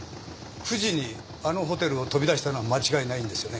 ９時にあのホテルを飛び出したのは間違いないんですよね？